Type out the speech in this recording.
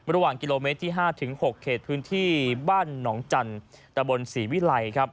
ระหว่างกิโลเมตรที่๕๖เขตพื้นที่บ้านหนองจันทร์ตะบนศรีวิลัยครับ